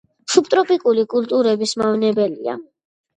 სუბტროპიკული კულტურების მავნებელია.